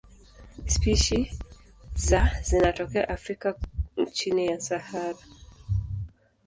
Spishi za zinatokea Afrika chini ya Sahara.